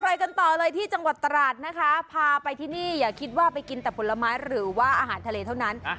ไปกันต่อเลยที่จังหวัดตราดนะคะพาไปที่นี่อย่าคิดว่าไปกินแต่ผลไม้หรือว่าอาหารทะเลเท่านั้น